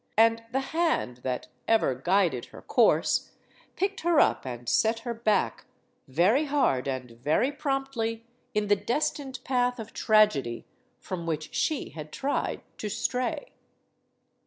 And the Hand that ever guided her course picked her up and set her back, very hard and very promptly, in the destined path of tragedy from which she had tried to stray.